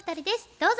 どうぞ。